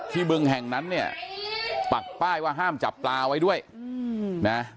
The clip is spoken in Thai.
ที่เบื้องแห่งนั้นเนี้ยปากป้ายว่าห้ามจับปลาไว้ด้วยนะฮะ